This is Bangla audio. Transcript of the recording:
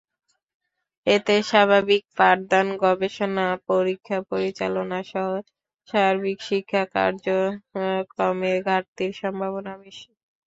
এতে স্বাভাবিক পাঠদান, গবেষণা, পরীক্ষা পরিচালনাসহ সার্বিক শিক্ষা কার্যক্রমে ঘাটতির সম্ভাবনা বেশি।